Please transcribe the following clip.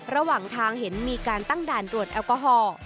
ระหว่างทางเห็นมีการตั้งด่านตรวจแอลกอฮอล์